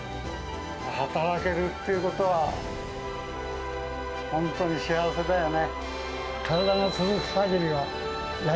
働けるっていうことは、本当に幸せだよね。